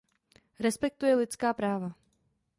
Respektuje lidská práva.